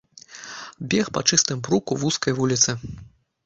Бег па чыстым бруку вузкай вуліцы.